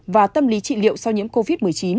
và tâm lý trị liệu sau nhiễm covid một mươi chín